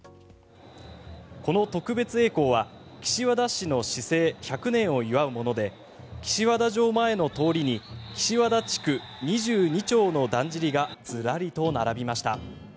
この特別えい行は岸和田市の市制１００年を祝うもので岸和田城前の通りに岸和田地区２２町のだんじりがずらりと並びました。